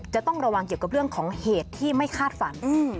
จะต้องระวังเกี่ยวกับเรื่องของเหตุที่ไม่คาดฝัน